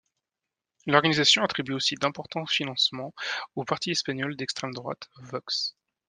L'organisation attribue aussi d'importants financements au parti espagnol d’extrême droite Vox.